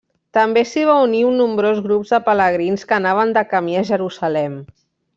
També s'hi va unir un nombrós grup de pelegrins que anaven de camí a Jerusalem.